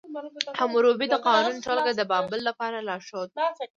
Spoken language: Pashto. حموربي د قوانینو ټولګه د بابل لپاره لارښود وه.